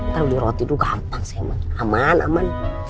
kalau buah roti tuh gampang sih aman aman